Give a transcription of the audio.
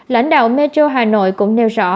lãnh đạo metro hà nội cũng nêu rõ